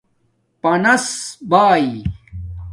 پانس بائ